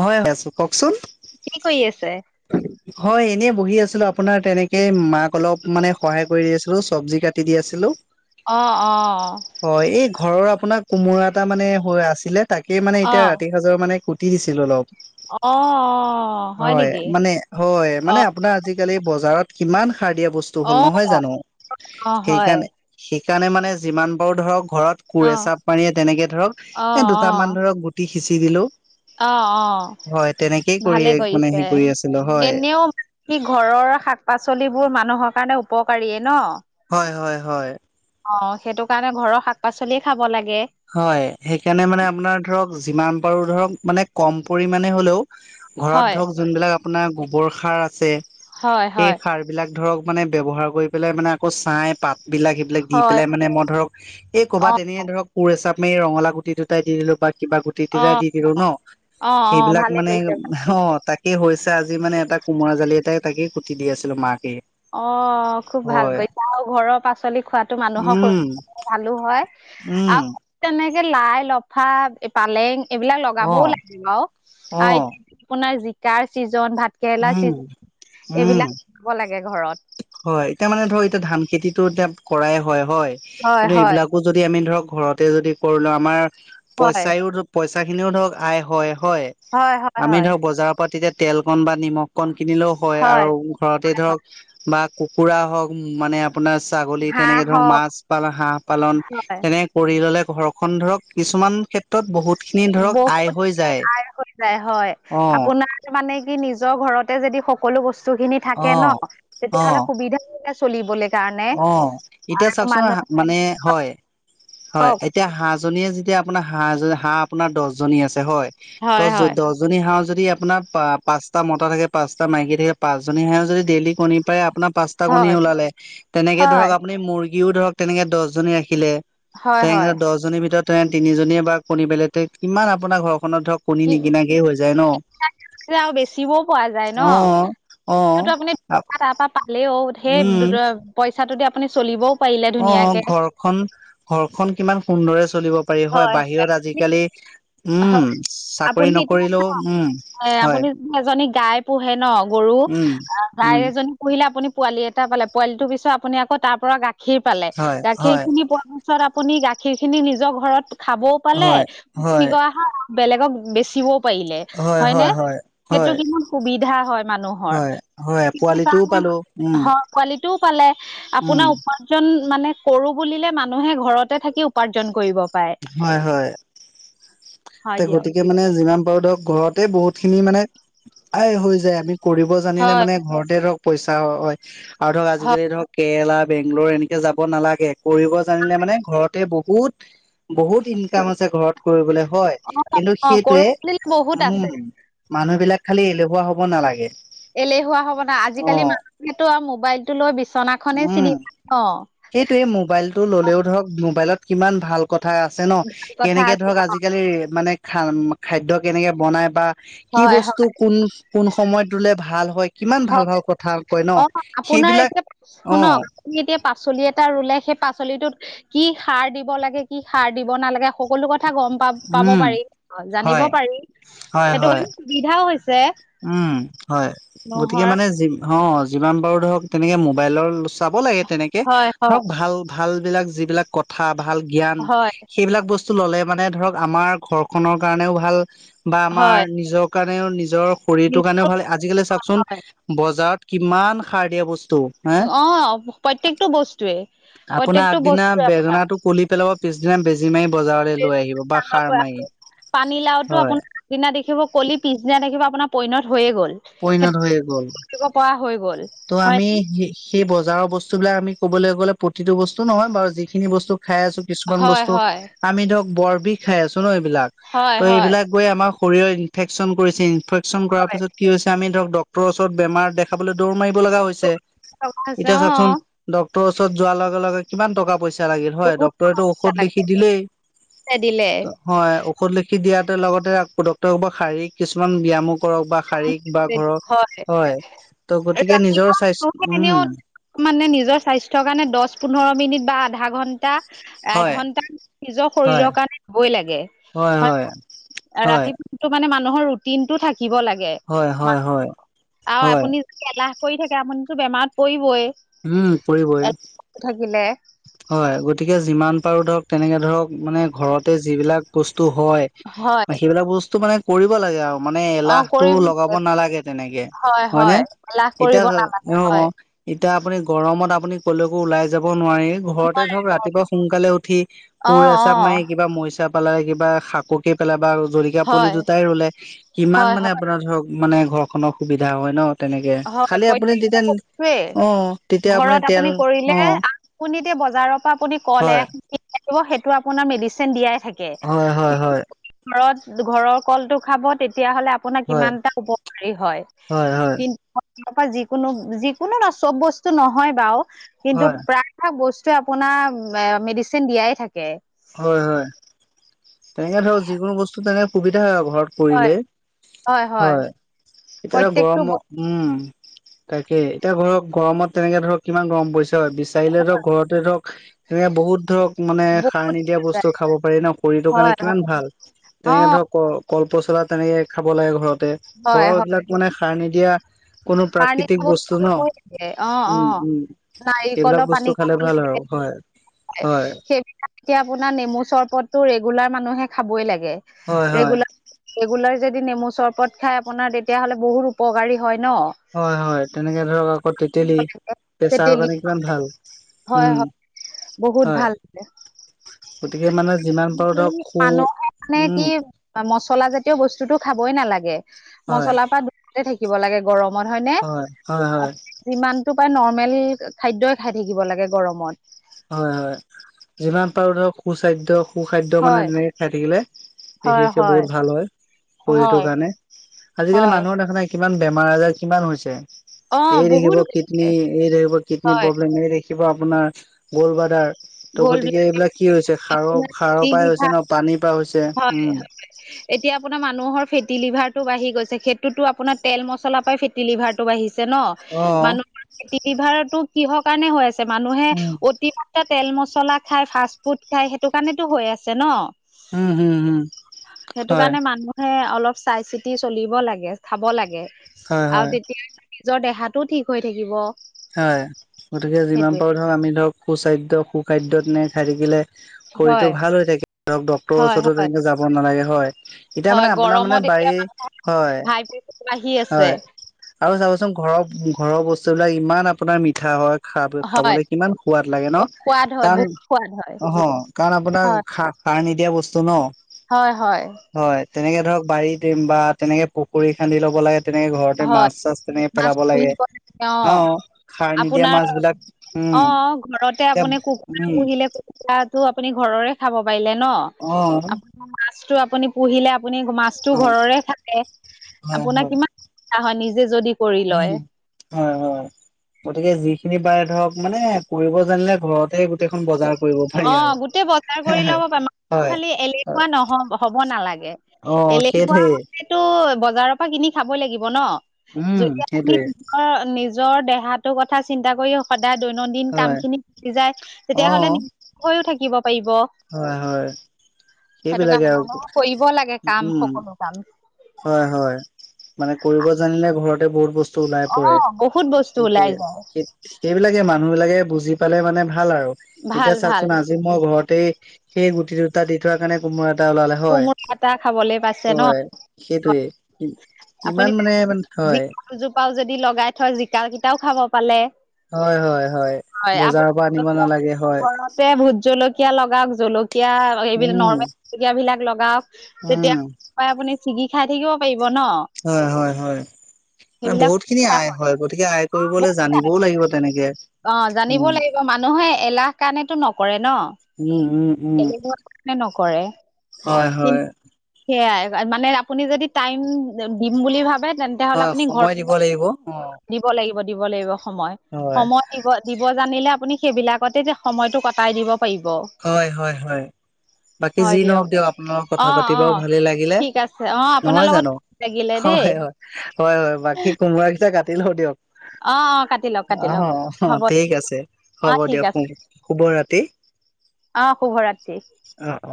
হয় আছো [unintelligible] কওকচোন কি কৰি আছে? [inaudible] হয় এনেই বহি আছিলো আপোনাৰ তেনেকে মাক অলপ মানে সহায় কৰি দি আছিলো চবজি কাটি দি আছিলো। অ', অ', অ'। হয়, এই ঘৰৰ আপোনাৰ কোমোৰা এটা মানে আছিলে তাকে মানে এতিয়া অ', ৰাতি সাঁজৰ মানে কুটি দিছিল লো অলপ, অ', অ, হয় মানে হয় মানে অ', আপোনাৰ আজিকালি বজাৰত কিমান সাৰ দিয়া বস্তু নহয় অ', জানো, অ', হয়। সেইকাৰণে সেইকাৰণে মানে যিমান পাৰো ধৰক ঘৰত কোৰ অ', এচাব পানীয়ে তেনেকে ধৰক অ', এ দুটামান অ', ধৰক গুটি সিঁচি দিলো। অ', হয় তেনেকেই অ', কৰি ভালে মানে হেৰি কৰিছে, কৰি আছিলো হয় এনেও সি ঘৰৰ শাক পাচলিবোৰ মানুহৰ কাৰণে উপকাৰীয়ে ন'। হয় হয় হয়। অ', সেইটো কাৰণে ঘৰৰ শাক পাচলিয়ে খাব লাগে। হয় সেইকাৰণে মানে আপোনাৰ ধৰক যিমান পাৰো ধৰক মানে কম পৰিমানে হ'লেও ঘৰত হয়, ধৰক যোনবিলাক আপোনাৰ গোবৰ সাৰ আছে হয়, সেই হয়, সাৰ বিলাক ধৰক মানে ব্যৱহাৰ কৰি পেলাই মানে আকৌ ছাই পাত বিলাক এইবিলাক দি হয়, পেলাই মানে মই ধৰক এই ক'বাত অ', এনে ধৰক কোৰ এচাব এই ৰঙলাও গুটি দুটাই দি দিলো বা কিবা গুটি টি অ', দি দিলো ন' অ', অ', সেইবিলাক ভালে মানে কৰিছে ভালে কৰিছে। অ', তাক সেই হৈছে আজি মানে এটা কোমোৰা জালি এটাই তাকে কুটি দি আছিলো মাকে। অ', খুব ভাল হয় কৰিছা আৰু ঘৰৰ পাচলি খোৱাতো মানুহৰ উম [unintelligible] ভালো হয় আৰু উম [unintelligible] তেনেকে লাই লফা পালেং এইবিলাক অ লগাবও লাগে আৰু অ এতিয়া আপোনাৰ জিকাৰ চিজন ভাত কেৰেলা উম চিজ উম এইবিলাক [unintelligible] লাগে ঘৰত হয় এতিয়া মানে ধৰক এতিয়া ধান খেতিটো এতিয়া কৰাই হয় হয়, হয়, কিন্তু হয়, এইবিলাকো যদি আমি ধৰক ঘৰতে যদি কৰিলো আমাৰ হয়, পইচাইও পইচা খিনিও ধৰক আয় হয় হয়, হয়, হয়, আমি হয়, ধৰক বজাৰ প তেতিয়া তেল কণ বা নিমখ কণ কিনিলেও হয় আৰু ঘৰতে ধৰক বা কুকুৰা হওক মানে আপোনাৰ ছাগলী হাঁহ তেনেকে ধৰক হওক মাছ পালন, হাঁহ পালন হয়, তেনেক কৰি ল'লে ঘৰখনন ধৰক কিছুমান ক্ষেত্ৰত বহুত খিনি ধৰক আয় বহুত হৈ যায়। আয় হৈ যায় হয়। অ'। আপোনাৰ মানে কি নিজৰ ঘৰতে যদি সকলো বস্তুখিনি অ থাকে ন' অ তেতিয়াহ'লে সুবিধা চলিবলে কাৰণে অ এতিয়া আৰু চাওকচোন মানুহে মানে হয় হয় এতিয়া হাঁহজনীয়ে যেতিয়া আপোনাৰ হাঁহ হাঁহ আপোনাৰ দহ জনী আছে হয় হয়, টহ যত হয়, দহ [unintelligible] পাঁচজনী হাঁহৰ যদি আপোনাৰ পাঁচটা মতা থাকে পাঁচটা মাইকী থাকে পাঁচজনী হাঁহেও যদি ডেইলি কণী পাৰে আপোনাৰ পাঁচটা কণী হয়, ওলালে তেনেকে হয়, ধৰক আপুনি মুৰ্গীও ধৰক তেনেকে দহজনী ৰাখিলে হয়, তেনেকে হয়, দহজনীৰ ভিতৰত তে তিনিজনীয়ে বা কণী পেলে তে কিমান আপোনাৰ ঘৰখনত ধৰক কণী কি নিকিনাকেই হৈ যায় ন'। আৰু বেচিবও পৰা যায় অ ন', অ সটো আপুনি টকা তাৰ পৰা পালেও সেই উম দু পইচাটোদি আপুনি চলিবও পাৰিলে অ', ধুনীয়াকে ঘৰখন ঘৰখন কিমান সুন্দৰে চলিব পাৰি হয় বাহিৰত আজিকালি হয়, উম, চাকৰি আপুনি এতিয়া নকৰিলেও চাওক উম এ হয়, আপুনি এজনী গাই পোহে ন' গৰু উম, গাই উম, এজনী পুহিলে আপুনি পোৱালি এটা পালে পোৱালিটো পিছত আপুনি আকৌ তাৰ পৰা গাখীৰ পালে হয়, গাখীৰ হয়, খিনি পোৱা পিছত পিছত আপুনি গাখীৰখিনি নিজৰ ঘৰত খাবও পালে, কি কৰা হয় বেলেগক বেচিব ও পাৰিলে হয় নে? সেইটো কিমান সুবিধা হয় মানুহৰ হয়, হয়, স [unintelligible] পোৱালিটোও কাৰ পালো উম, হয় পোৱালিটোও পালে উম, আপোনাৰ ওপৰত কৰোঁ বুলিলে মানুহে ঘৰতে থাকি উপাৰ্জন কৰিব পাৰে। হয়, হয়, তে হয় দিয়ক। গতিকে মানে যিমান পাৰো ধৰক ঘৰতে বহুতখিনি মানে আয় হৈ যায় আমি কৰিব জানিলে হয় মানে ঘৰতে ধৰক পইচা হয় আৰু ধৰক হয়। আজিকালি ধৰক কেৰেলা বেংগলৌৰ এনেকে যাব নালাগে কৰিব জানিলে মানে ঘৰতে বহুত বহুত ইনকাম আছে ঘৰত কৰিবলৈ হয়। অ কিন্তু অ কৰো সেইটোৱে বুলিলে বহুত আছে উম, মানুহবিলাক খালি এলেহুৱা হ'ব নালাগে। এলেহুৱা হ'ব না অ আজিকালি মানুহেতো আৰু মোবাইলতটো লৈ বিচনাখনেই উম চিনি প সেইটোয়ে মোবাইলতটো ল'লেও ধৰক মোবাইলত কিমান ভাল কথা আছে ন' কথা কেনেকে আছে ধৰক অ আজিকালি মানে খা খাদ্য কেনেকে বনাই বা কি হয় হয় বস্তু কোন-কোন সময়ত ৰুলে ভাল হয় কিমান ভাল হয় ভাল কথা কয় অ ন' আপোনাৰ সেইবিলাক এতিয়া শুনক অ' এতিয়া পাচলি এটা ৰুলে সেই পাচলিটোত কি সাৰ দিব লাগে কি সাৰ দিব নালাগে সকলো কথা গম পা পাব উম পাৰি জানিব হয় পাৰি হয় সেইটো হয় কাৰণে সুবিধাও হৈছে। উম, হয়, গতিকে নহৰ মানে অ', যিমান পাৰো ধৰক তেনেকে মোবাইলৰ চাব লাগে তেনেকে হয়, ধৰক হয়, ভাল ভাল বিলাক যিবিলাক কথা ভাল জ্ঞান হয়, সেইবিলাক বস্তু ললে মানে ধৰক আমাৰ ঘৰখনৰ কাৰণেও ভাল বা আমাৰ হয়, নিজ কাৰণে নিজৰ শৰীৰটোৰ কাৰণেও নিশ্চয় ভাল আজিকালি চাওকচোন হয়। বজাৰত কিমান সাৰ দিয়া বস্তু হে অ', প্ৰত্যেকটো বস্তুৱে। আপোনাৰ প্ৰত্যেকটো আগদিনা বস্তুৱে আপোনাৰ বেদনা টো কুলি পেলাব পিছদিনা বেজি মাৰি বজাৰলৈ লৈ আহিব বা ডাঙৰ সাৰ মাৰি হয় দিনা দেখিব কলি পিছদিনা দেখিব আপোনাৰ পইনত হৈয়ে গ'ল। পৰিণত হৈয়ে গ'ল। পোৱা হৈ গ'ল। ত' হয় আমি নে? স সেই বজাৰৰ বস্তুবলাক আমি ক'বলৈ গ'লে প্ৰতিটো বস্তু নহয় বাৰু যিখিনি বস্তু খাই আছো কিছুমান হয়, বস্তু হয়, আমি ধৰক বৰ বিহ খাই আছো ন' এইবিলাক হয়, ত' হয়। এইবিলাক গৈ আমাৰ শৰীৰৰ ইনফেকশ্যন কৰিছে ইনফেকশ্যন কৰাৰ হয় পাছত কি হৈছে আমি ধৰক ডক্টৰৰ ওচৰত বেমাৰ দেখাবলৈ দৌৰ মাৰিব লগা হৈছে বহুত টকা হৈছে, এতিয়া চাওচোন অ', ডক্তৰৰ ওচৰত যোৱাৰ লগে লগে কিমান টকা পইচা পইচা লাগিল হয়, বহুত টকা ডক্তৰেটো পইচা ঔষধ লিখি লাগে দিলেই দিলে। হয়, ঔষধ লিখি দিয়াতে লগতে বা শাৰীৰিক কিছুমান ব ব্যয়ামক কৰক বা শাৰীক বা ঘৰক হয় ত' গতিকে নিজৰ ৰাতিপুৱা মানুহে স্বাস্থ্য এনেও উম। মানে নিজৰ স্বাস্থ্যৰ কাৰণে দহ পোন্ধৰ মিনিট বা আধা ঘন্টা হয় এঘন্টা নিজৰ হয় শৰীৰৰ কাৰণে হবই লাগে হয় হয় ৰাতিপুৱাটো মানে মানুহৰ ৰুটিন টো থাকিব লাগে হয় হয় হয় আৰু হয় আপুনি যে এলাহ কৰি থাকে আপুনিতো বেমাৰত পৰিবই উম পৰিবই। এলাহ থাকিলে। হয়, গতিকে যিমান পাৰো ধৰক তেনেকে ধৰক মানে ঘৰতে যিবিলাক বস্তু হয় হয় সেইবিলাক বস্তু মানে, কৰিব লাগে আৰু মানে, অ এলাহটো কৰিব লগাব নালাগে তেনেকে হয় হয়নে হয় এলাহ এতিয়া কৰিব নালাগে হয় অ', এতিয়া আপুনি গৰমত আপুনি ক'লেকো ওলাই যাব নোৱাৰি ঘৰতে নোৱাৰে ধৰক নোৱাৰে ৰাতিপুৱা সোনকালে উঠি অ কোৰ অ এচাপ মাৰি কিবা মৰিচাপ পাল কিবা শাকুকি পেলাই বা জৰিকীয়া পুলি হয় দুটাই ৰুলে কিমান হয় মানে হয় আপোনাৰ ধৰক মানে ঘৰখনৰ সুবিধা হয় ন তেনেকে হয় খালি আপুনি প্ৰত্যেকটো যেতিয়া বস্তুৱেই অ', তেতিয়া আপুনি ঘৰত তেল কৰিলে অ', আপুনি বজাৰ হয়, হয়, হয়, হয়, [unintelligible] ঘৰৰ কল খাব তেতিয়া হলে আপোনাৰ হয়, কিমান এটা উপকাৰী হয় কিন্তু। ৰ পৰা যিকোনো যিকোনো ন চব বস্তু নহয় বাৰু, কিন্তু হয়, প্ৰায় প্ৰায় ভাগ বস্তু আপোনাৰ মেডিচিন দিয়াই থাকে হয়, হয়। তেনেকে ধৰক যিকোনো, বস্তু তেনেকে সুবিধা হয় আৰু ঘৰত। হয় পৰিলে হয়, এতিয়া এ প্ৰত্যেকটো গৰমত উম, তাকে এতিয়া ধৰক গৰমত তেনেকে ধৰক কিমান গৰম পৰিছে বিশ ধৰক ঘৰতে ধৰক সে বহুত ধৰক মানে সাৰ বহুত নিদিয়া বস্তু খাব পাৰি ন সেইটো কাৰণে, হয় হয় কিমান ভাল অ তেনেকে ধৰক ক কলপচলা তেনেকে খাব লাগে ঘৰতে হয় ঘৰৰ হয় এবিলাক মানে সাৰ নিদিয়া কোনো সাৰ প্ৰাকৃতিক নিদিয়া বস্তু ন, খাবই লাগে অ অ উম্ উম্। সেইবিলাক বস্তু খালে ভাল আৰু হয়। হয় সেই এতিয়া আপোনাৰ নেমু চৰবতটো ৰেগুলাৰ মানুহে খাবই লাগে। হয় হয় ৰেগুলাৰ ৰেগুলাৰ যদি নেমু চৰবত খাই, আপোনাৰ তেতিয়া‌ হ'লে বহুত উপকাৰী হয় ন। হয়, হয় তেনেকে ধৰক আকৌ তেতেলি, প্ৰেচাৰৰ তেতেলী কাৰণে কিমান ভাল। হয় উম। হয় বহুত হয় ভাল। গতিকে মানে যিমান পাৰো আজিকালি ধৰক খু মানুহে মানে উম কি? মছলা জাতীয় বস্তুটো খাবই নালাগে। হয় মছলাৰ পৰা দূৰতে থাকিব লাগে। গৰমত হয়নে? হয় হয় হয় যিমানটো পায় নৰ্মেল খাদ্যই খাই থাকিব লাগে, গৰমত। হয়, হয়। যিমান পাৰোঁ ধৰক সুস্বাসধ্য সু-খাদ্য মানে হয় তেনেকে খাই থাকিলে, হয় বিশেষকৈ হয় বহুত ভাল হয়, শৰীৰটোৰ হয় কাৰণে। আজিকালি হয় মানুহৰ দেখা নাই কিমান বেমাৰ-আজাৰ, কিমান অ হৈছে। এই বহুত দেখিব কিডনী, এই দেখিব কিডনী হয় প্ৰব্লেম, এই দেখিব দেখিব আপোনাৰ গ'লব্লাডাদাৰ। গ'ল গতিকে বিলাক এইবিলাক কি হৈছে, সাৰৰ, আপোনাৰ ফেটি সাৰৰ পৰাই হৈছে লিভাৰ ন। পানী পৰাই হৈছে। হয় উম হয়। এতিয়া আপোনাৰ মানুহৰ ফেটি লিভাৰটো বাঢ়ি গৈছে। সেইটোতো আপোনাৰ তেল-মছলাৰ পৰাই ফেটি লিভাৰ বাঢ়িছে ন, অ মানুহৰ ফেটি লিভাৰটো কিহৰ কাৰণে হৈ আছে, মানুহে উম অতি তেল-মচলা খাই, ফাষ্ট ফুড খাই, সেইটো কাৰণেতো হৈ আছে ন। উম, হুম হুম। সেইটো কাৰণে মানুহে অলপ চাই-চিতি চলিব লাগে, চাব লাগে। হয় হয় আৰু তেতিয়া, নিজৰ দেহাটোও ঠিক হৈ থাকিব। হয়, গতিকে যিমান সেইটোৱে পাৰোঁ ধৰক, আমি ধৰক, সুস্বাস্থ্য, সুখাদ্য তেনেকে খাই থাকিলে হয় শৰীৰটো ভাল হৈ থাকে, ধৰক ডক্তৰৰ হয় ওচৰতো হয় তেনেকে যাব নালাগে, হয়। এতিয়া হয় মানে, আপোনাৰ মানে গৰমত এতিয়া বাৰী, হয়, হাই প্ৰেচাৰ বাঢ়ি আছে হয়। আৰু চাবচোন ঘৰৰ‌, ঘৰৰ বস্তু বিলাক ইমান আপোনাৰ মিঠা হয়। খাব, হয় খাবলৈ কিমান সোৱাদ লাগে ন। সোৱাদ হয় কাৰণ বহুত সোৱাদ হয় অহ কাৰণ আপোনাৰ হয় সাৰ নিদিয়া বস্তু ন। হয় হয়। হয়, তেনেকে ধৰক বাৰীত বা তেনেকে পুখুৰী খান্দি ল'ব লাগে। তেনেকে ঘৰতে হয় মাছ-চাছ তেনেকে মাছ পেলাব লাগে। পুহিব অ অঁ সাৰ নিদিয়া আপোনাৰ মাছ বিলাক, অ উম! ঘৰতে এতিয়া, আপুনি কুকুৰা উম! পুহিলে আপুনি [unintelligible] ঘৰৰে খাব পাৰিলে ন, অ ‌ আপোনাৰ মাছটো‌ আপুনি পুহিলে আপুনি মাছটো অ ঘৰৰে থাকে, হয় আপোনাৰ হয় কিমান সুবিধা হয়, নিজে যদি কৰি লয় উম! হয়, হয়! গতিকে যিখিনি পাৰে ধৰক মানে, পুহিব জানিলে ঘৰত তেই গোটেইখন বজাৰ কৰিব অ পাৰি আৰু গোটেই বজাৰ কৰি ল'ব পাৰে [inaudible] মানুহ খালি হয় এলেহুৱা নহ হ'ব নালাগে, অ এলেহুৱা সেইটোৱে হ'লে ট বজাৰৰ পৰা কিনি খাব লাগিব ন! উম যদি আপুনি সেইটোৱে অ', নিজৰ দেহাটোৰ কথা চিন্তা কৰি সদায় দৈনন্দিন কাম হয় খিনি কৰি যায়। অ তেতিয়াহ'লে নিৰোগী হৈ থাকিব পাৰিব। হয় হয় সেইটো সেইবিলাকে কাৰণে, আৰু মানুহে কৰিব লাগে কাম, সকলো কাম। হয, হয়। মানে কৰিব জানিলে ঘৰতে বহুত বস্তু স্ত ওলাই পৰে, অ বহুত বস্তু ওলাই সেইটোৱে। যায় সেইবিলাকে, মানুহ বিলাকে বুজি পালে মানে ভাল আৰু‌ ভাল এতিয়া ভাল চাওকচোন, আজি মই ঘৰতে সেই গুটি দুটা দি থোৱা কাৰণে কোমোৰা এটা ওলালে। হয়, কোমোৰা এটা খাবলে পাইছে ন হয় সেইটোৱে। আপুনি ইমান মানে, হয়! জিকা দুজোপাও যদি লগাই থয় জিকা কেইটাও খাব পালে। হয়, হয়, হয়। বজাৰৰ পৰা আনিব নালাগে, হয়। এতিয়া ভোট জলকীয়া লগাওক। জলকীয়া এইবিলাক উম নৰ্মেল। কীয়া বিলাক লগাওক, তেতিয়া উম আপুনি ছিগি খাই থাকিব পাৰিব, ন? হয় হয় হয় ম বহুত খিনি সেইবিলাক আয় হয় গতিকে আয় কৰিবলৈ জানিবও লাগিব তেনেকে অ জানিব উম লাগিব মানুহে এলাহ কাৰণেতো নকৰে ন উম উম উম গলে ধৰ মে নকৰে হয় হয় কিন্তু সেয়াই মানে আপুনি যদি টাইম দিম বুলি ভাবে তেন্ত তেতিয়াহ'লে হয় আপুনি সময় ঘৰখন দিব লাগিব অ দিব লাগিব দিব লাগিব সময় হয় সময় দিব জানিলে আপুনি সেইবিলাকতে যে সময়তটো কটাই দিব পাৰিব হয় হয় হয় বাকী যি নহওক দিয়ক আপোনালোকৰ অ কথা অ পাতিবাও ভালেই লাগিলে ঠিক আছে অ আপোনাৰ নহয় লগত জানো লাগিলে দেই হয় হয় হয় হয় বাকী কোমোৰাৰাকেইটা কাটি লও দিয়ক অ অ কাটি লওক কাটি আহ লওক আহ হ'ব ঠিক আছে অ হ'ব ঠিক দিয়ক শু আছে শুভ ৰাতি অ শুভ ৰাত্ৰি অ অ